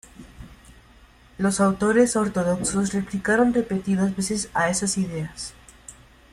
Los autores ortodoxos replicaron repetidas veces a esas ideas.